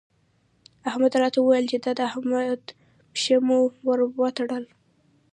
احمد راته وويل چې د احمد پښه مو ور وتړله.